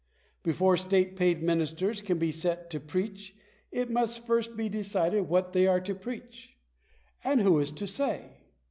Before state paid ministers can be set to preach, it must first be decided what they are to preach. And who is to say